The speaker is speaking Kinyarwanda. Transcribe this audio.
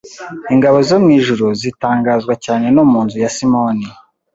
Ingabo zo mu ijuru zitangazwa cyane no Mu nzu ya Simoni